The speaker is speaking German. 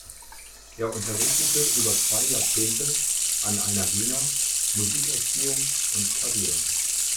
Er unterrichtete über zwei Jahrzehnte an einer Wiener Musikerziehung und Klavier.